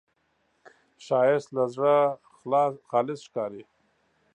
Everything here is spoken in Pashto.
ښایست له زړه خالص ښکاري